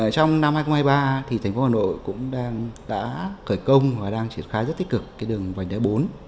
trong năm hai nghìn hai mươi ba thì thành phố hà nội cũng đã khởi công và đang triển khai rất tích cực cái đường vành đai bốn